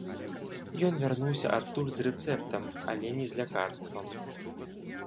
Ён вярнуўся адтуль з рэцэптам, але не з лякарствам.